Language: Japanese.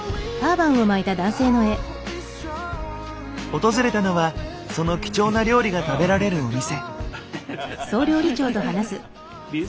訪れたのはその貴重な料理が食べられるお店。